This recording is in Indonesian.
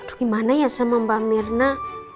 gimana ya sama mbak mirna